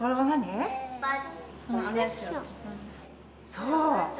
そう。